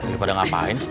itu pada ngapain